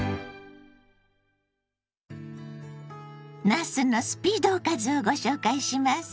なすのスピードおかずをご紹介します。